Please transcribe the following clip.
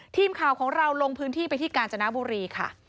ทีมข่าวของเราลงพื้นที่ไปที่กาญจนบุรีค่ะ